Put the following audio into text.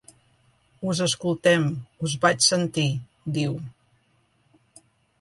“Us escoltem, us vaig sentir”, diu.